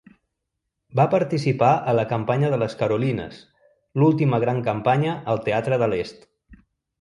Va participar a la campanya de les Carolines, l'última gran campanya al Teatre de l'est.